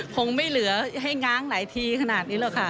คงไม่เหลือให้ง้างหลายทีขนาดนี้หรอกค่ะ